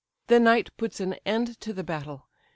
The night puts an end to the battle.